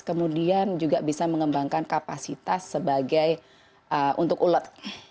kemudian juga bisa mengembangkan kapasitas untuk ulot